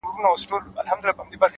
پوهه د راتلونکي دروازې پرانیزي؛